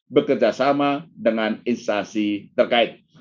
bekerjasama dengan instasi perusahaan